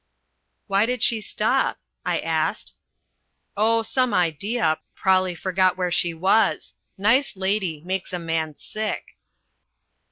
"Why did she stop?" I asked. "Oh, some idea. Prob'ly forgot where she was. Nice lady. Makes a man sick."